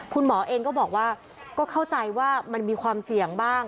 คุณหมอเองก็บอกว่าก็เข้าใจว่ามันมีความเสี่ยงบ้าง